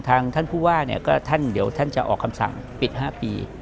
ทางท่านผู้ว่าเดี๋ยวจะออกคำสั่งปิด๕ปี